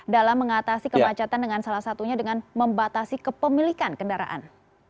dalam mengatasi kemacetan dengan salah satunya dengan membatasi kepemilikan kendaraan